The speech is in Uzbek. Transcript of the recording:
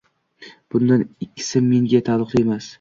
Bundan ikkisi menga taalluqli emas.